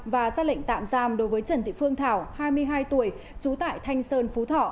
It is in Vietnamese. và ra lệnh tạm giam đối với trần thị phương thảo hai mươi hai tuổi trú tại thanh sơn phú thọ